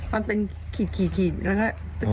มันเป็นขีดแล้วก็